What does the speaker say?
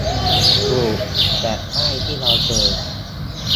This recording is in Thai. ถูก แต่ป้ายที่เราเจอ